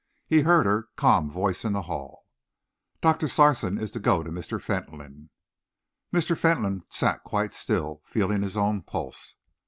He heard her calm voice in the hall. "Doctor Sarson is to go to Mr. Fentolin." Mr. Fentolin sat quite still, feeling his own pulse.